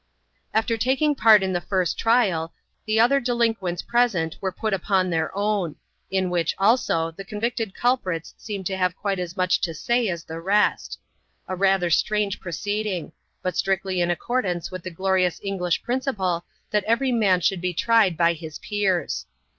After taking part in the first trial, the other delinquents present were put upon their own; in which, also, the con victed culprits seemed to have quite as much to say as the rest. A rather strange proceeding ; but strictly in accordance with the glorious English principle, that every man should be tried by his peers.